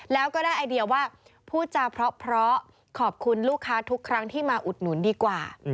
แล้วก็ได้ไอเดียว่าพูดจาเพราะขอบคุณลูกค้าทุกครั้งที่มาอุดหนุนดีกว่า